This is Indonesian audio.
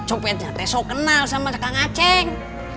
copetnya teso kenal sama kang aceh